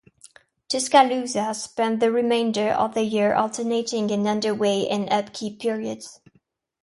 "Tuscaloosa" spent the remainder of the year alternating in underway and upkeep periods.